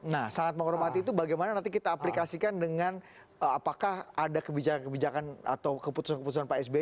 nah sangat menghormati itu bagaimana nanti kita aplikasikan dengan apakah ada kebijakan kebijakan atau keputusan keputusan pak sby